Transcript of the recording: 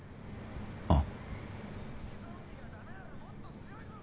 ああ。